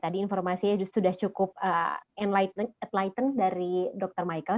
tadi informasinya sudah cukup atlitan dari dr michael